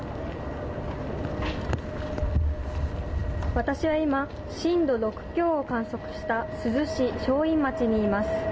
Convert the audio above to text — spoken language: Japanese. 私は今、震度６強を観測した珠洲市正院町にいます。